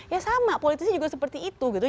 ya sama politisi juga seperti itu gitu